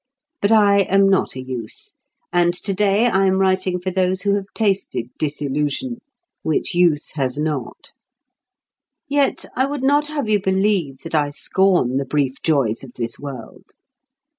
But I am not a youth, and to day I am writing for those who have tasted disillusion: which youth has not. Yet I would not have you believe that I scorn the brief joys of this world.